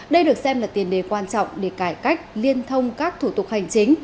đây được xem là tiền đề quan trọng để cải cách liên thông các thủ tục hành chính